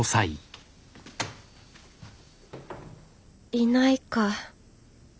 いないか。